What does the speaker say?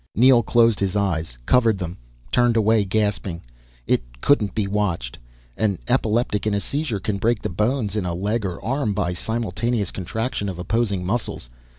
Neel closed his eyes, covered them, turned away gasping. It couldn't be watched. An epileptic in a seizure can break the bones in a leg or arm by simultaneous contraction of opposing muscles.